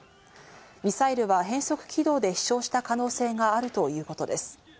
ミサイルは変速軌道で飛翔した可能性があるということです。